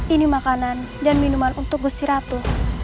ini makanan dan minuman untuk gusti ratu